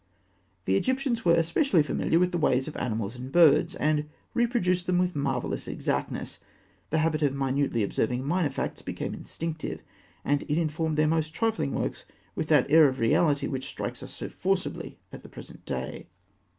The Egyptians were especially familiar with the ways of animals and birds, and reproduced them with marvellous exactness. The habit of minutely observing minor facts became instinctive, and it informed their most trifling works with that air of reality which strikes us so forcibly at the present day.